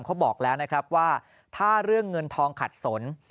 เขาบอกแล้วนะครับว่าถ้าเรื่องเงินทองขัดสน